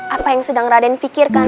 apa yang sedang raden pikirkan